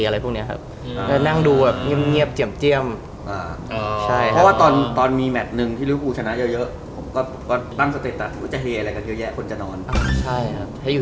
แล้ววีบอกว่าง่วงกันอยู่